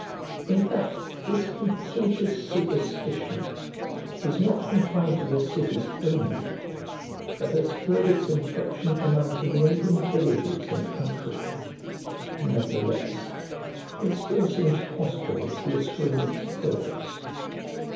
In fact, this contagious superstition is not confined to the cities only, but has spread its infection among the neighbouring villages and country. Nevertheless, it still seems possible to restrain its progress.